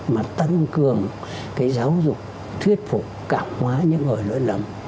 mà tăng cường cái giáo dục thuyết phục cả hóa những người lưỡi lầm